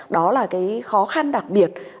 đó là cái khó khăn đặc biệt